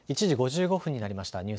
１時５５分になりました。